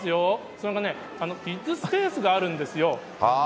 それがね、キッズスペースがあるんですよ。